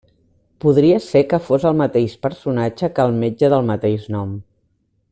Podria ser que fos el mateix personatge que el metge del mateix nom.